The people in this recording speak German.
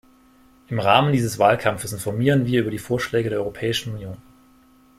Im Rahmen dieses Wahlkampfes informieren wir über die Vorschläge der Europäischen Union.